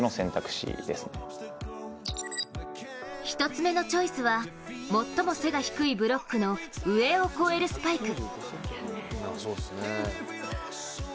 １つ目のチョイスは最も背が低いブロックの上を越えるスパイク。